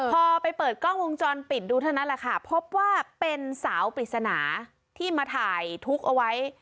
พอไปเปิดกล้องวงจรปิดดูเท่านั้นแหละค่ะพบว่าเป็นสาวปริศนาที่มาถ่ายทุกข์เอาไว้